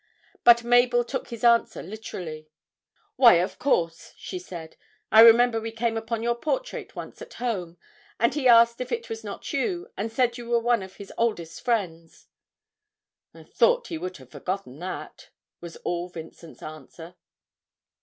But Mabel took his answer literally. 'Why, of course,' she said. 'I remember we came upon your portrait once at home, and he asked if it was not you, and said you were one of his oldest friends.' 'I thought he would have forgotten that,' was all Vincent's answer.